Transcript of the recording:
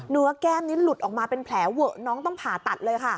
แก้มนี้หลุดออกมาเป็นแผลเวอะน้องต้องผ่าตัดเลยค่ะ